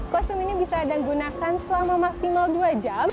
kostum ini bisa anda gunakan selama maksimal dua jam